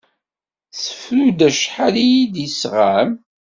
Sefru-d acḥal i yi-d-isɣam.